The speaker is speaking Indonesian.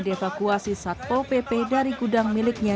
dievakuasi satpol pp dari gudang miliknya